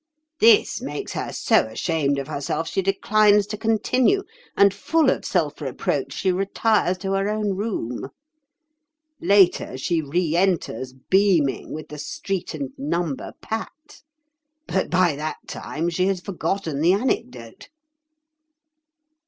This makes her so ashamed of herself she declines to continue, and full of self reproach she retires to her own room. Later she re enters, beaming, with the street and number pat. But by that time she has forgotten the anecdote."